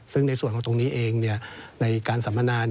ซึ่งในส่วนของตรงนี้เองในการสัมมนา